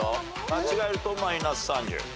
間違えるとマイナス３０。